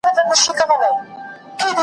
که سړی هر څه ناروغ وو په ځان خوار وو .